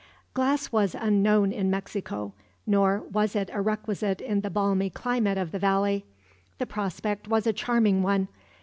Glass was unknown in Mexico, nor was it a requisite in the balmy climate of the valley. The prospect was a charming one.